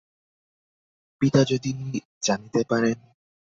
পিতা যদি জানিতে পারেন?